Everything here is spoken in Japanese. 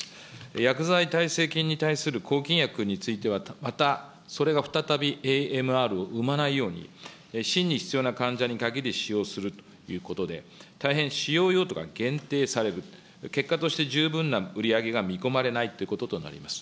薬剤耐性菌に対する抗菌薬については、またそれが再びＡＭＲを生まないように、真に必要な患者に限り使用するということで、大変、使用用途が限定される、結果として十分な売り上げが見込まれないということとなります。